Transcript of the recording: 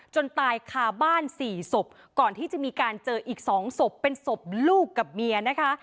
ตายคาบ้านสี่ศพก่อนที่จะมีการเจออีก๒ศพเป็นศพลูกกับเมียนะคะ